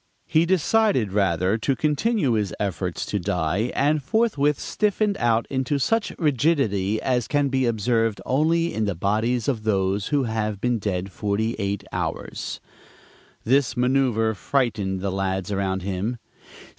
He decided rather to continue his efforts to die, and forthwith stiffened out into such rigidity as can be observed only in the bodies of those who have been dead forty eight hours. This manoeuver frightened the lads around him.